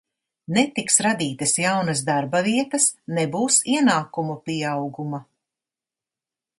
Netiks radītas jaunas darba vietas, nebūs ienākumu pieauguma.